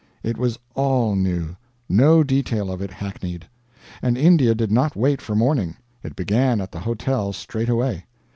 It was all new, no detail of it hackneyed. And India did not wait for morning, it began at the hotel straight away.